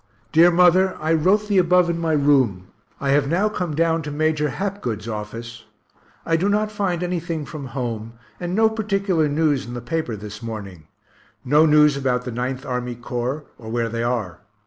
Dear mother, I wrote the above in my room I have now come down to Major Hapgood's office. I do not find anything from home, and no particular news in the paper this morning no news about the Ninth Army Corps, or where they are.